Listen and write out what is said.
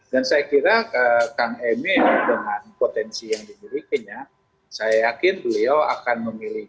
dan saya kira kang amy dengan potensi yang dimilikinya saya yakin beliau akan menjadi